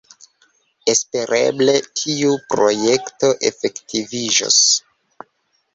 Espereble, tiu projekto efektiviĝos.